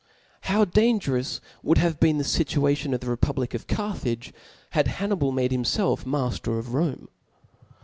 How dangerous would have been the Situation of die republic of Carthage, had Hannibal made him iclf mafter of Rome